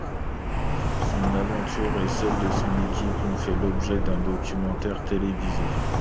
Son aventure et celle de son équipe ont fait l'objet d'un documentaire télévisé.